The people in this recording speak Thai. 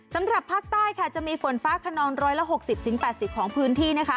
สำหรับภาคใต้จะมีฝนฟ้าขนอง๑๖๐๘๐ของพื้นที่